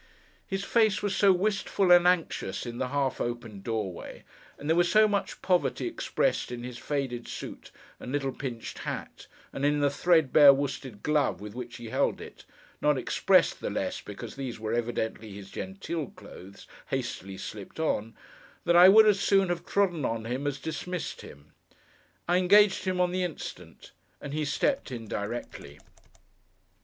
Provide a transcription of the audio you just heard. His face was so very wistful and anxious, in the half opened doorway, and there was so much poverty expressed in his faded suit and little pinched hat, and in the thread bare worsted glove with which he held it—not expressed the less, because these were evidently his genteel clothes, hastily slipped on—that I would as soon have trodden on him as dismissed him. I engaged him on the instant, and he stepped in directly.